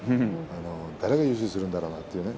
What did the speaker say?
誰が優勝するだろうなと。